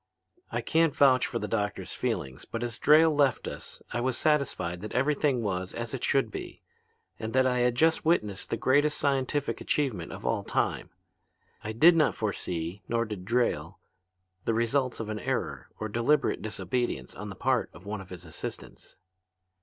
"I can't vouch for the doctor's feelings, but as Drayle left us I was satisfied that everything was as it should be, and that I had just witnessed the greatest scientific achievement of all time. I did not foresee, nor did Drayle, the results of an error or deliberate disobedience on the part of one of his assistants.